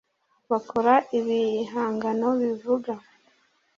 bakora ibihangano bivuga